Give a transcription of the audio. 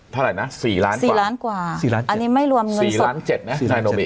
เท่าไรนะ๔ล้านกว่า๔ล้านกว่าอันนี้ไม่รวมเงินสด๔ล้าน๗นะไนโนมิ